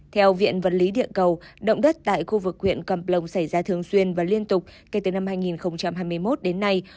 theo viện vật lý địa cầu động đất tại khu vực huyện cầm plong xảy ra thường xuyên và liên tục kể từ năm hai nghìn hai mươi một đến nay